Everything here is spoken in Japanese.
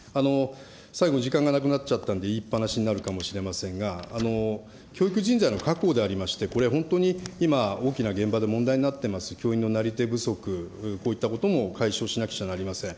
最後に時間がなくなっちゃったんで、言いっぱなしになるかもしれませんが、教育人材の確保でありまして、これ、本当に今、大きな現場で問題になってます、教員のなり手不足、こういったことも解消しなくちゃなりません。